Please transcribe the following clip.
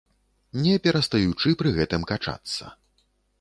Не перастаючы пры гэтым качацца.